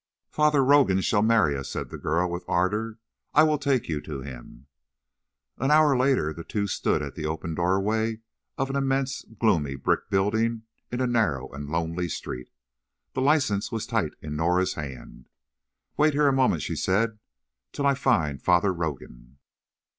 "Father Rogan shall marry us," said the girl, with ardour. "I will take you to him." An hour later the two stood at the open doorway of an immense, gloomy brick building in a narrow and lonely street. The license was tight in Norah's hand. "Wait here a moment," she said, "till I find Father Rogan."